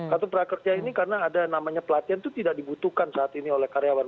kartu prakerja ini karena ada namanya pelatihan itu tidak dibutuhkan saat ini oleh karyawan